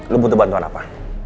lo butuh bantuan apa